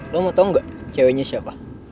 lo mau tau gak ceweknya siapa